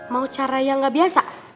mau cara yang nggak biasa